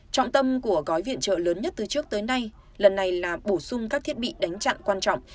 trọng tâm của gói viện trợ lớn nhất từ trước tới nay lần này là bổ sung các thiết bị đánh chặn quan trọng